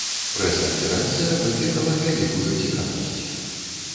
Прэс-канферэнцыя выклікала вялікую цікавасць.